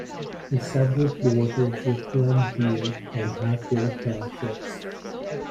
The suburb borders with Glen View and Highfield townships.